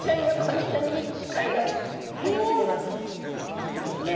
なんとですね